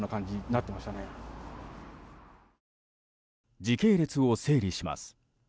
時系列を整理します。